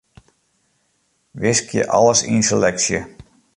Wiskje alles yn seleksje.